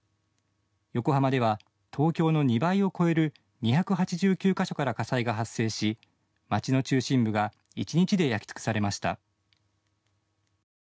横浜では、東京の２倍を超える２８９か所から火災が発生し街の中心部が１日で焼き尽くされました。